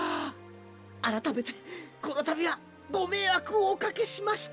あらためてこのたびはごめいわくをおかけしました。